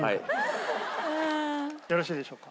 よろしいでしょうか。